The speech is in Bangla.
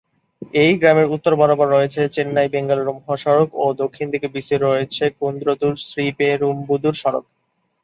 এই গ্রামের উত্তর বরাবর রয়েছে চেন্নাই-বেঙ্গালুরু মহাসড়ক ও দক্ষিণ দিকে বিস্তৃত রয়েছে কুন্দ্রতুর-শ্রীপেরুম্বুদুর সড়ক।